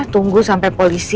tunggu sampai polisi